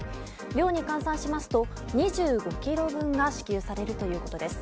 量に換算しますと２５ｋｇ分が支給されるということです。